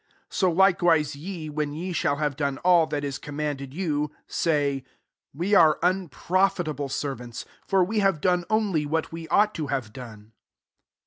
10 So likewise ye, wh^ ye AlB have done all that is com M&ded you» say, ^ We are un^ Cfitable servants: [for] we e done ofdy what we ought to have done.'